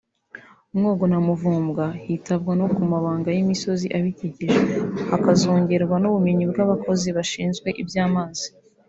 Mwogo na Muvumba hitabwa no ku mabanga y’imisozi abikikije hakazongerwa n’ubumenyi bw’abakozi bashinzwe iby’amazi